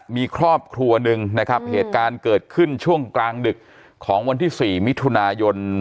มีครอบครัวหนึ่งนะครับเหตุการณ์เกิดขึ้นช่วงกลางดึกของวันที่๔มิถุนายน